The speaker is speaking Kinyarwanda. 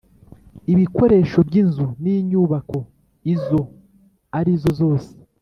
Ibikoresho by’inzu n’inyubako izo ari zo zose